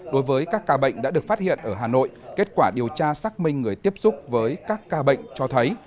đối với các ca bệnh đã được phát hiện ở hà nội kết quả điều tra xác minh người tiếp xúc với các ca bệnh cho thấy